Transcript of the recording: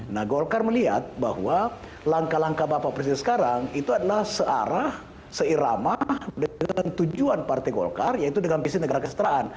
nah golkar melihat bahwa langkah langkah bapak presiden sekarang itu adalah searah seirama dengan tujuan partai golkar yaitu dengan visi negara kesejahteraan